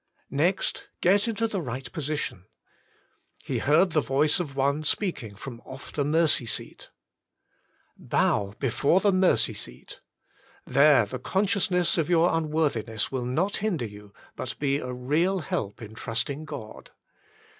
!^ext. Get into the Eight Position. He heard the Voice of One speaking from off the mercy seat. Bow before the mercy seat. "There the consciousness of your unworthiness wiU not hinder you, but be a real help in trusting God.